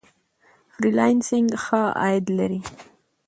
فری لانسینګ ښه عاید لري.